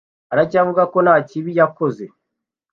Aracyavuga ko nta kibi yakoze.